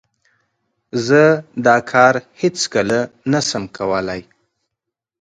زه دا کار هیڅ کله نه شم کولای.